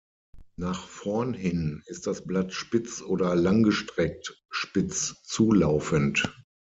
Nach vorn hin ist das Blatt spitz oder langgestreckt spitz zulaufend.